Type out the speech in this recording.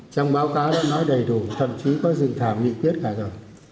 trong báo cáo đã nói đầy đủ thậm chí có dừng thảm nghiệp viết cả rồi